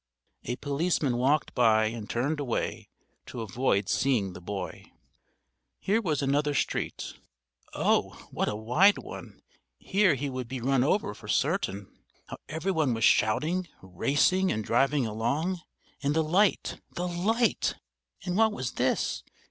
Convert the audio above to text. A policeman walked by and turned away to avoid seeing the boy. Here was another street oh, what a wide one, here he would be run over for certain; how everyone was shouting, racing and driving along, and the light, the light! And what was this?